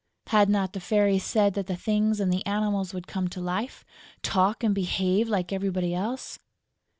Had not the Fairy said that the Things and the Animals would come to life, talk and behave like everybody else?